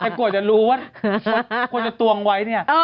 ไม่ใครกลัวจะรู้ว่าคนจะตวงไว้